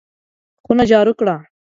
خونه جارو کړه!